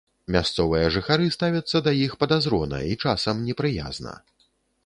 Мясцовыя жыхары ставяцца да іх падазрона і часам непрыязна.